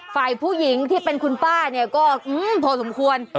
ฝ่ายผู้หญิงที่เป็นคุณป้าเนี่ยก็พอสมควร